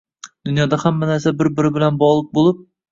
dunyoda hamma narsa bir-biri bilan bog‘liq bo‘lib